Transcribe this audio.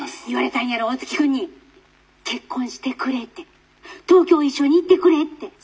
「言われたんやろ大月君に『結婚してくれ』て。『東京一緒に行ってくれ』て」。